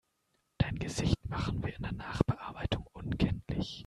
Dein Gesicht machen wir in der Nachbearbeitung unkenntlich.